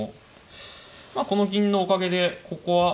まあこの銀のおかげでここは堅いので。